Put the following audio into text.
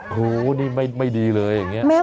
โหนี่ไม่ดีเลย